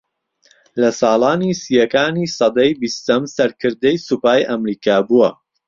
لە ساڵانی سیەکانی سەدەی بیستەم سەرکردەی سوپای ئەمریکا بووە